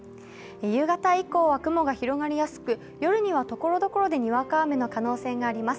夕方以降は雲が広がりやすく夜にはところどころ、にわか雨の可能性があります。